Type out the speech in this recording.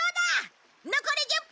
残り１０分。